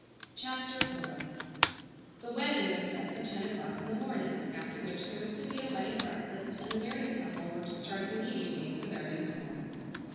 CHAPTER IV The wedding was set for ten o'clock in the morning, after which there was to be a wedding breakfast and the married couple were to start immediately for their new home.